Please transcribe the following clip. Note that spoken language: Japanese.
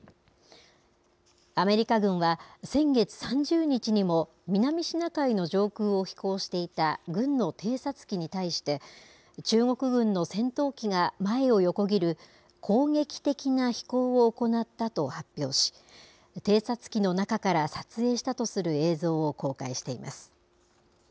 アメリカ軍は、先月３０日にも南シナ海の上空を飛行していた軍の偵察機に対して、中国軍の戦闘機が前を横切る攻撃的な飛行を行ったと発表し、偵察機の中から撮影したとする映像を公開しています。